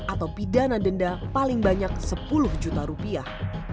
atau pidana denda paling banyak sepuluh juta rupiah